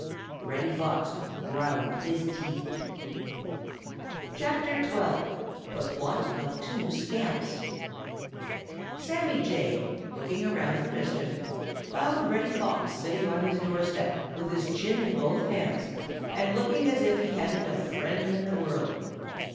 Reddy Fox ground his teeth. XII. THE PLOT OF TWO SCAMPS |SAMMY JAY, looking around for mischief, found Reddy Fox sitting on his door step with his chin in both hands and looking as if he hadn't a friend in the world.